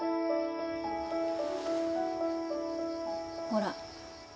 ほら。